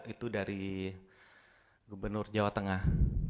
itu dari gubernur jawa tengah